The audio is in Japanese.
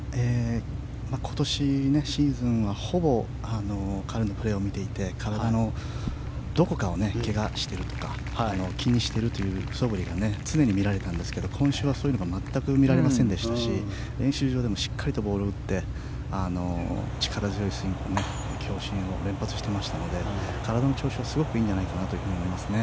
今年、シーズンはほぼ彼のプレーを見ていて体のどこかを怪我してるとか気にしてるというそぶりが常に見られたんですが今週はそういうのが全く見られませんでしたし練習場でもしっかりとボールを打って力強いスイング強振を見せてましたので体の調子はすごくいいんじゃないかと思いますね。